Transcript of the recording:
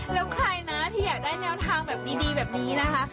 แล้วใครนะที่อยากได้แนวทางแบบดีแบบนี้นะคะ